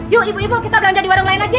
yuk ibu ibu kita belanja di warung lain aja